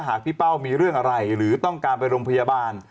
หากพี่เป้ามีเรื่องอะไรหรือต้องการไปโรงพยาบาล